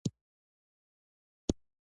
د بدخشان زیره څه بوی لري؟